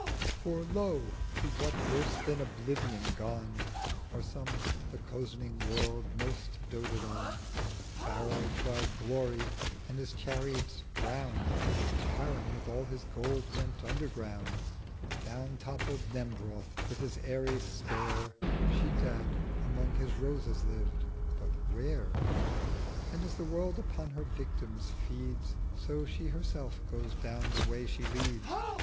'For lo, to what worse than oblivion gone Are some the cozening World most doted on. Pharaoh tried Glory: and his Chariots drown'd: 890 Karun with all his Gold went underground: Down toppled Nembroth with his airy Stair: Schedad among his Roses lived—but where? 'And as the World upon her victims feeds So She herself goes down the Way she leads.